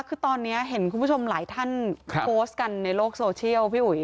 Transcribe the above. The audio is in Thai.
คือตอนนี้เห็นคุณผู้ชมหลายท่านโพสต์กันในโลกโซเชียลพี่อุ๋ย